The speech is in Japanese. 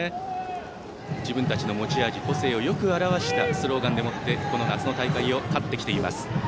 自分たちの持ち味個性をよく表したスローガンでもって夏の大会を勝ってきています。